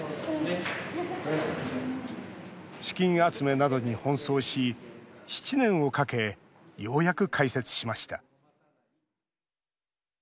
資金集めなどに奔走し７年をかけようやく開設しました。